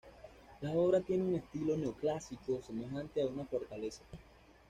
La obra tiene un estilo neoclásico semejante a una fortaleza.